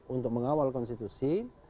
untuk mengawal konstitusi